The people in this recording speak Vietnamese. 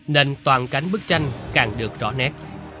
nên toàn cánh bức tranh càng được rõ nét